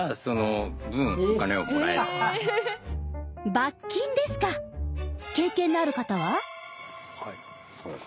罰金ですか⁉経験のある方は？